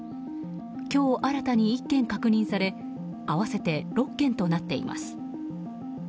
今日新たに１件確認され合わせて６件となっています。